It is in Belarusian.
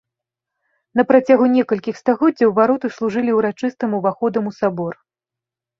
На працягу некалькіх стагоддзяў вароты служылі ўрачыстым уваходам у сабор.